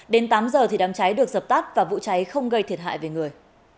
đến tám giờ thì đám cháy được dập tắt và vụ cháy không gây thiệt hại về người